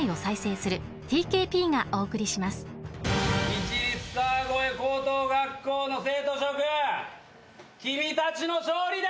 市立川越高等学校の生徒諸君君たちの勝利だ！